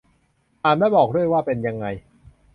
อ่านแล้วบอกด้วยว่าเป็นยังไง